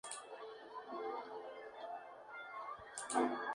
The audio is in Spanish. Llegó a casa con una buena merluza y le cantaron las cuarenta